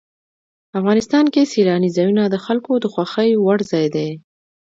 افغانستان کې سیلانی ځایونه د خلکو د خوښې وړ ځای دی.